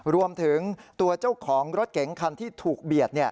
รวมถึงตัวเจ้าของรถเก๋งคันที่ถูกเบียด